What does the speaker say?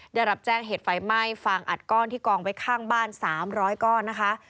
ได้รับแจ้งเหตุไฟไหม้ฟางอัดก้อนที่กองไว้ข้างบ้าน๓๐๐ก้อนนะคะ